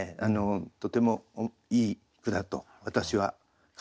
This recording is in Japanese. とてもいい句だと私は感心しました。